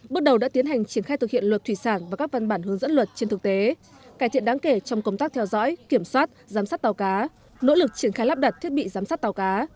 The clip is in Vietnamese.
bước đầu đã tiến hành triển khai thực hiện luật thủy sản và các văn bản hướng dẫn luật trên thực tế cải thiện đáng kể trong công tác theo dõi kiểm soát giám sát tàu cá nỗ lực triển khai lắp đặt thiết bị giám sát tàu cá